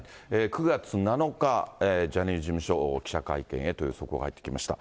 ９月７日、ジャニーズ事務所、記者会見へという速報が入ってきました。